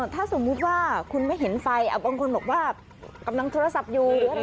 ถ้าสมมุติว่าคุณไม่เห็นไฟบางคนบอกว่ากำลังโทรศัพท์อยู่